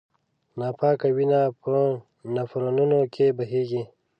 ناپاکه وینه په نفرونونو کې بهېږي.